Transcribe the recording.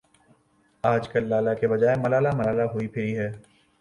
آجکل لالہ کے بجائے ملالہ ملالہ ہوئی پھری ہے ۔